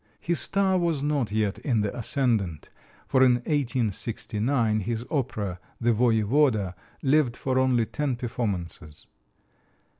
His star was not yet in the ascendant, for in 1869 his opera, "The Voyevoda," lived for only ten performances.